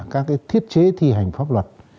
các thiết chế thi hành pháp luật